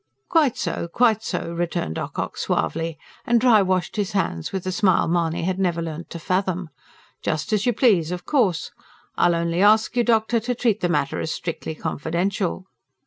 "Quite so, quite so!" returned Ocock suavely, and dry washed his hands with the smile Mahony had never learnt to fathom. "Just as you please, of course. I'll only ask you, doctor, to treat the matter as strictly confidential."